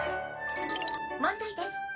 問題です。